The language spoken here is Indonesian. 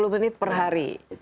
tiga puluh menit per hari